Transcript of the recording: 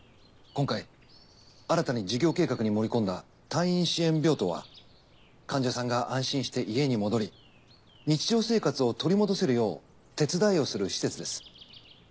今回新たに事業計画に盛り込んだ退院支援病棟は患者さんが安心して家に戻り日常生活を取り戻せるよう手伝いをする施設です。